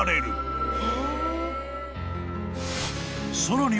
［さらに］